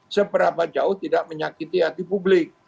seberapa jauh tidak menyakiti hati publik